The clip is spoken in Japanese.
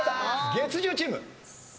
月１０チーム。